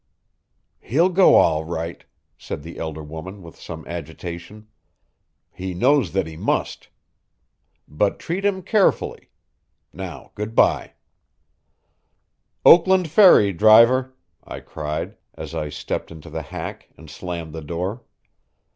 "He'll go all right," said the elder woman with some agitation. "He knows that he must. But treat him carefully. Now good by." "Oakland Ferry, driver," I cried, as I stepped into the hack and slammed the door.